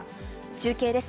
中継です。